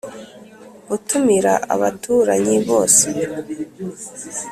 utumira abaturanyi bose